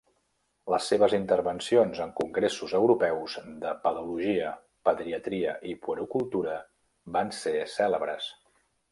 Les seves intervencions en congressos europeus de Pedologia, Pediatria i Puericultura van ser cèlebres.